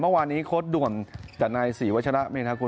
เมื่อวานนี้โค้ดด่วนแต่นายศรีวัชระเมธากุล